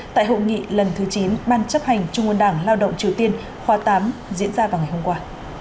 tại hội nghị lần thứ chín ban chấp hành trung ương đảng lao động triều tiên khoa tám diễn ra vào ngày hôm qua